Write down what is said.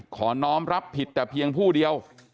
น้องรับผิดแต่เพียงผู้เดียว